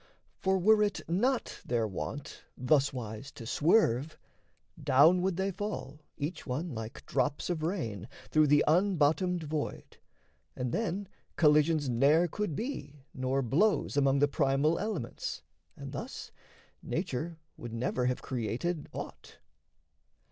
For were it not their wont Thuswise to swerve, down would they fall, each one, Like drops of rain, through the unbottomed void; And then collisions ne'er could be nor blows Among the primal elements; and thus Nature would never have created aught.